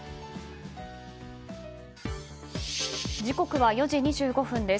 時刻は４時２５分です。